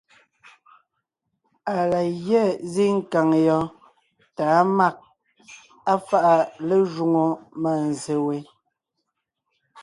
Á la gyɛ́ zíŋ kàŋ yɔɔn tà á mâg, á fáʼa lé jwoŋo mânzse we,